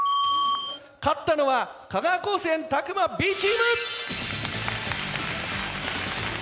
勝ったのは香川高専詫間Ｂチーム！